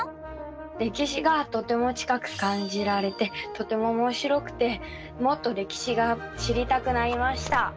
歴史がとても近く感じられてとてもおもしろくてもっと歴史が知りたくなりました。